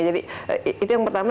jadi itu yang pertama